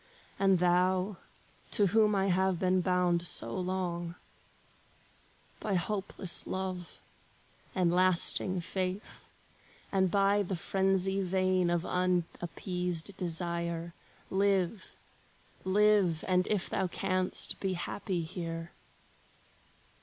And thou, to whom I have been bound so long, By hopeless love, and lasting faith, and by The frenzy vain of unappeased desire, Live, live, and if thou canst, be happy here!